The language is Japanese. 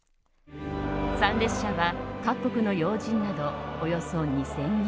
参列者は各国の要人などおよそ２０００人。